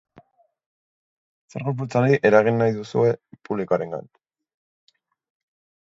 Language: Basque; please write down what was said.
Zer gorputzaldi eragin nahi duzue publikoarengan?